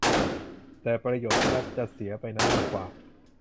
แต่ประโยชน์ที่รัฐจะเสียไปนั้นมากกว่า